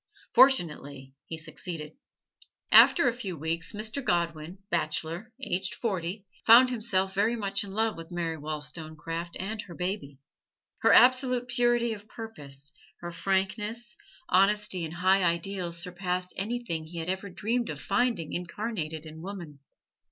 Fortunately he succeeded. After a few weeks, Mr. Godwin, bachelor, aged forty, found himself very much in love with Mary Wollstonecraft and her baby. Her absolute purity of purpose, her frankness, honesty and high ideals surpassed anything he had ever dreamed of finding incarnated in woman.